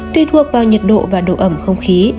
tùy thuộc vào nhiệt độ và độ ẩm không khí